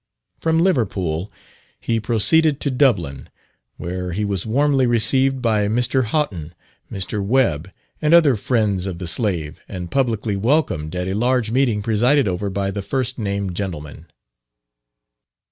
From Liverpool he proceeded to Dublin where he was warmly received by Mr. Haughton, Mr. Webb, and other friends of the slave, and publicly welcomed at a large meeting presided over by the first named gentleman.